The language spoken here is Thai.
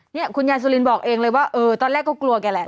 นี่คุณญาติสุรินทร์บอกเองเลยว่าเออตอนแรกเขากลัวกันแหละ